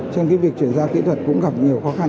trong việc chuyển ra kỹ thuật cũng gặp nhiều khó khăn